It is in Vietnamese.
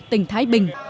tỉnh thái bình